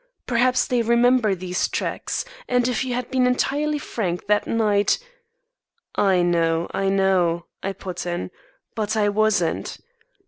Perhaps they remember these tracks, and if you had been entirely frank that night " "I know, I know," I put in, "but I wasn't.